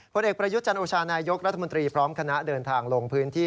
เอกประยุทธ์จันโอชานายกรัฐมนตรีพร้อมคณะเดินทางลงพื้นที่